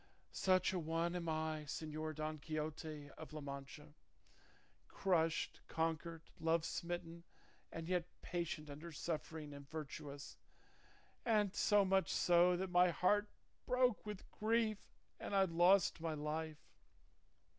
Such a one am I, Señor Don Quixote of La Mancha, crushed, conquered, love smitten, but yet patient under suffering and virtuous, and so much so that my heart broke with grief and I lost my life.